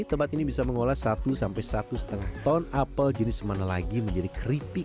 tempat ini bisa mengolah satu sampai satu satu lima ton apel jenis mana lagi menjadi keripik